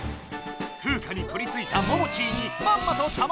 フウカにとりついたモモチーにまんまとタマ